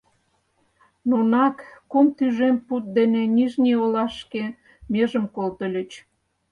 Нунак кум тӱжем пуд дене Нижний олашке межым колтыльыч.